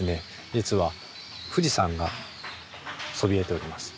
実は富士山がそびえております。